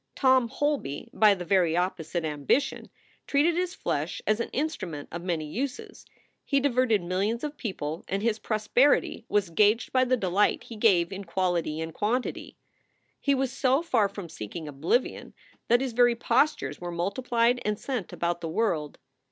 Tom Holby, by the very opposite ambition, treated his flesh as an instrument of many uses; he diverted millions of people, and his prosperity was gauged by the delight he gave in quality and quantity. He was so far from seeking oblivion that his very postures were multiplied and sent about the world.